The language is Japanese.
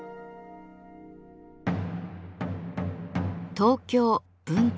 東京・文京区